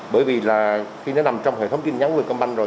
bởi vì là khi nó nằm trong hệ thống tin nhắn vietcombank rồi